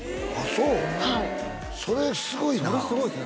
そうはいそれすごいなそれすごいっすね